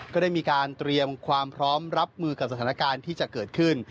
ก็ได้มีการเตรียมความพร้อมรับมือกับสถานการณ์ที่จะเกิดขึ้น